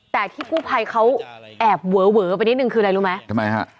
แต่ที่กู้ภัยเขาแอบเวอไปนิดนึงคืออะไรรู้ไหมทำไมฮะ